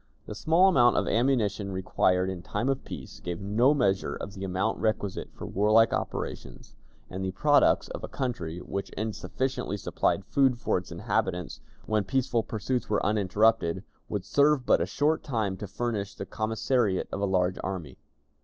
The small amount of ammunition required in time of peace gave no measure of the amount requisite for warlike operations, and the products of a country, which insufficiently supplied food for its inhabitants when peaceful pursuits were uninterrupted, would serve but a short time to furnish the commissariat of a large army.